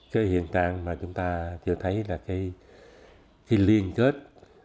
cái hiện tạng mà chúng ta thấy là cái liên kết